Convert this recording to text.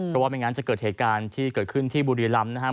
เพราะว่าไม่งั้นจะเกิดเหตุการณ์ที่เกิดขึ้นที่บุรีรำนะครับ